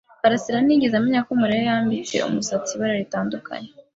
karasira ntiyigeze amenya ko Mariya yambitse umusatsi ibara ritandukanye.